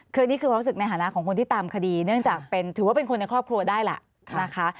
คืออันนี้คือความรู้สึกในฐานะของคนที่ตามคดีเนื่องจากถือว่าเป็นคนในครอบครัวได้แหละนะคะ